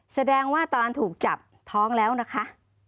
แสดงว่าตอนถูกจับท้องแล้วนะคะ